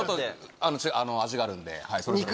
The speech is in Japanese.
味があるんで。